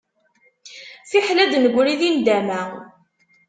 Fiḥel ad d-negri di nndama.